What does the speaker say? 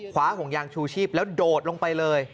ห่มยางชูชีพแล้วโดดลงไปเลย